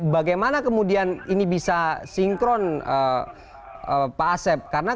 bagaimana kemudian ini bisa sinkron pak asep